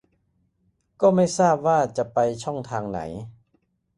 ก็ไม่ทราบว่าจะไปช่องทางไหน